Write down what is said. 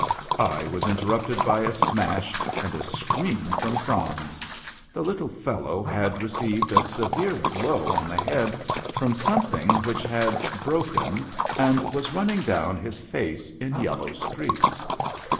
I was interrupted by a smash, and a scream from Franz. The little fellow had received :. severe blow on the head from something which had broken, and was running down his face in yellow streaks.